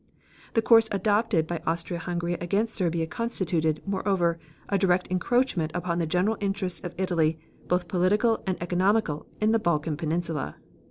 The course adopted by Austria Hungary against Serbia constituted, moreover, a direct encroachment upon the general interests of Italy both political and economical in the Balkan peninsula.